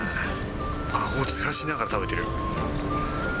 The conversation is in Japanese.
あごずらしながら食べてる。